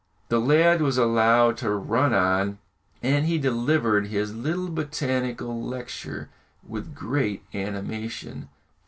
The lad was allowed to run on, and he delivered his little botanical lecture with great animation.